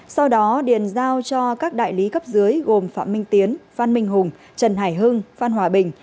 sau đó điền giao cho các đại lý cấp dưới gồm phạm minh tiến phan minh hùng trần hải hưng phan hòa bình